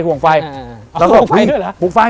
ห่วงไฟด้วยเหรอ